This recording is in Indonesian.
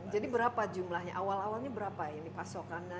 jadi berapa jumlahnya awal awalnya berapa ini pasokannya